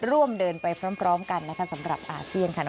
ร่วมเดินไปพร้อมกันนะคะสำหรับอาเซียนค่ะ